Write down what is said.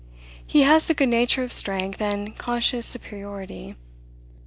He has the goodnature of strength and conscious superiority.